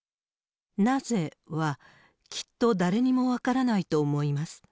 なぜ、は、きっと誰にも分らないと思います。